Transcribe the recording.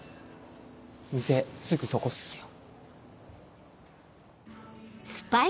店すぐそこっすよ。